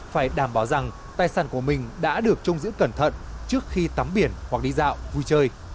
phải đảm bảo rằng tài sản của mình đã được trông giữ cẩn thận trước khi tắm biển hoặc đi dạo vui chơi